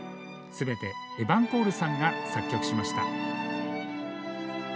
すべてエバン・コールさんが作曲しました。